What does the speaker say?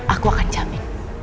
aku akan jamin